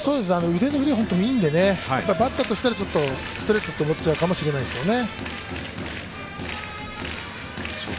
腕の振りが本当にいいのでね、バッターとしてはストレートと思っちゃうかもしれないですね。